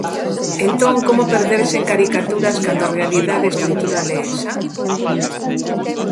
Entón, como perderse en caricaturas cando a realidade estrutural é esa?